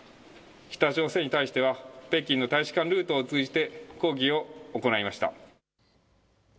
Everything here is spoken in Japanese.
北朝鮮に対しては北京の大使館ルートを通じて抗議を行いました。